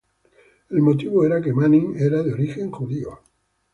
El motivo era que Manning era de origen judío.